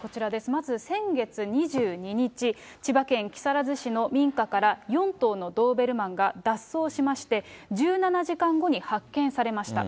まず先月２２日、千葉県木更津市の民家から４頭のドーベルマンが脱走しまして、１７時間後に発見されました。